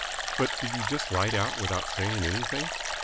"But did you just light out without saying anything?"